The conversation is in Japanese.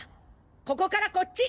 ここからこっち！！